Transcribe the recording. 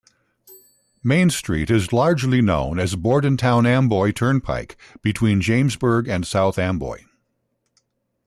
Main Street is largely known as Bordentown-Amboy Turnpike between Jamesburg and South Amboy.